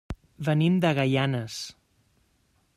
Venim de Gaianes.